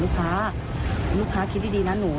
พนักงานในร้าน